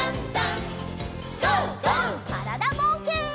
からだぼうけん。